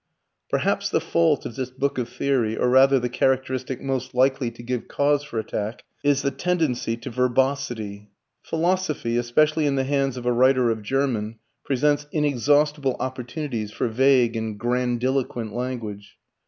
Perhaps the fault of this book of theory or rather the characteristic most likely to give cause for attack is the tendency to verbosity. Philosophy, especially in the hands of a writer of German, presents inexhaustible opportunities for vague and grandiloquent language.